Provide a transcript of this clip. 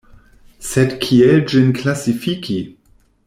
Sed kiel ĝin klasifiki?